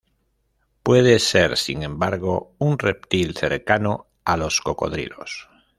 Puede ser, sin embargo, un reptil cercano a los cocodrilos.